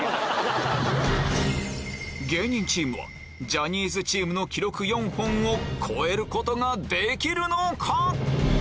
芸人チームはジャニーズチームの記録４本を超えることができるのか？